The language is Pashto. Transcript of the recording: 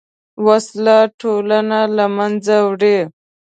وسله ټولنه له منځه وړي